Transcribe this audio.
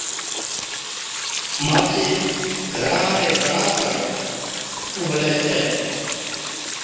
مانڇي گھران هاڙي بڻا پر اُڀلِي ڇَي